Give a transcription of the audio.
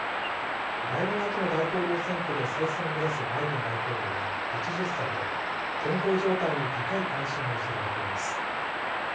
来年秋の大統領選挙で再選を目指すバイデン大統領は８０歳で健康状態に高い関心が寄せられています。